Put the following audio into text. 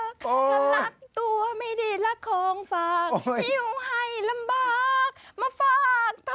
ถ้ารักตัวไม่ได้รักของฝากหิวให้ลำบาก